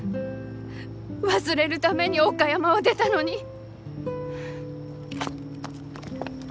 忘れるために岡山を出たのに。